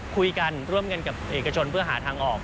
คุยกันร่วมกันกับเอกชนเพื่อหาทางออก